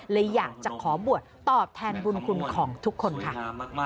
เลยอยากจะขอบวชตอบแทนบุญคุณของทุกคนค่ะ